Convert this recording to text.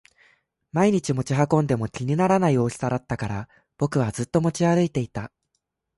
毎日持ち運んでも気にならない大きさだったから僕はずっと持ち歩いていた